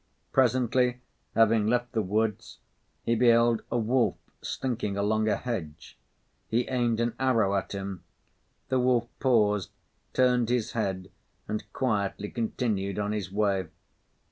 Presently, having left the woods, he beheld a wolf slinking along a hedge. He aimed an arrow at him. The wolf paused, turned his head and quietly continued on his way.